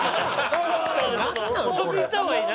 遅く行った方がいいな。